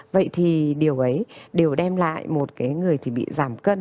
vậy thì điều ấy đều đem lại một cái người thì bị giảm cân